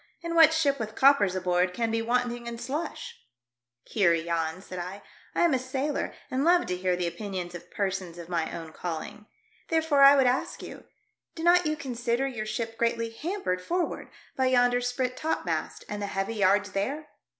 And what ship with coppers aboard can be wanting in slush ?"" Heer Jans," said I, " I am a sailor and love to hear the opinions of persons of my own calling. Therefore I would ask you, do not you consider your ship greatly hampered forward by yonder sprit topmast and the heavy yards there